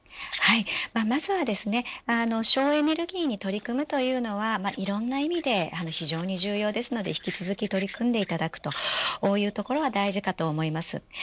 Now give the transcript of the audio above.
まずは省エネルギーに取り組むというのはいろいろな意味で非常に重要ですので引き続き取り組んでいただくというところが大事です。